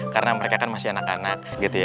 karena mereka kan masih anak anak